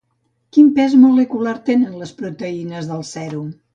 Quin pes molecular tenen les proteïnes del sèrum?